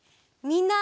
みんな。